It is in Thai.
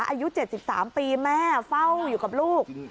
อายุ๗๓ปีแม่เฝ้าอยู่กับลูก